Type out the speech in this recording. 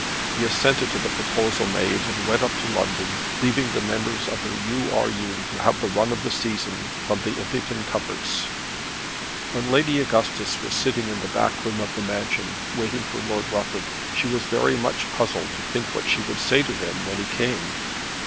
He assented to the proposal made and went up to London, leaving the members of the U. R. U. to have the run of the season from the Impington coverts. When Lady Augustus was sitting in the back room of the mansion waiting for Lord Rufford she was very much puzzled to think what she would say to him when he came.